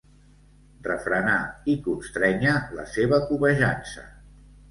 Refrenar i constrènyer la seva cobejança.